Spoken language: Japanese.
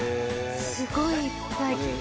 すごいいっぱい。